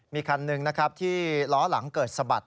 มีคันหนึ่งนะครับที่ล้อหลังเกิดสะบัด